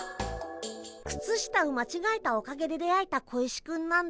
靴下を間違えたおかげで出会えた小石くんなんだ。